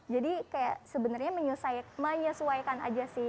jadi kayak sebenarnya menyesuaikan aja sih